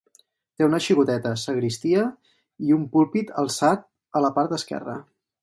Té una xicoteta sagristia i un púlpit alçat a la part esquerra.